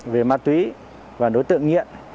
về ma túy và đối tượng nghiện